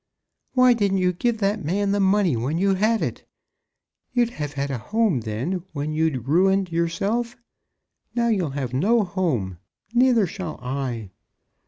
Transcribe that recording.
"Why didn't you give that man the money when you had it? You'd have had a home then when you'd ruined yourself. Now you'll have no home; neither shall I."